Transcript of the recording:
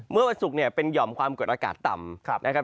เมื่อวันศุกร์เนี่ยเป็นหย่อมความกดอากาศต่ำนะครับ